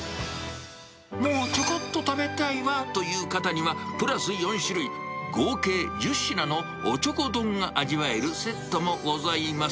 もうちょこっと食べたいわという方には、プラス４種類、合計１０品のおちょこ丼が味わえるセットもございます。